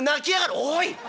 「おい！